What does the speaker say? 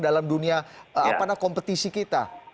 dalam dunia kompetisi kita